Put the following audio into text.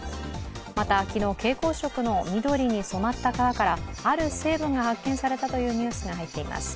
また、昨日蛍光色の緑に染まった川からある成分が発見されたというニュースが入っています。